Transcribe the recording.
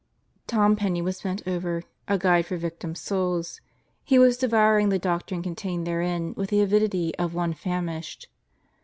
Tom Penney was bent over A Guide for Victim Souls. He was devouring the doctrine contained therein with the avidity of one famished.